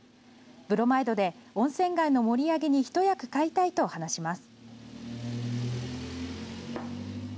ブロマイドで温泉街の盛り上げに一役買いたいと話します。